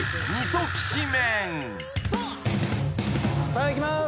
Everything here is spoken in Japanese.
さあいきます。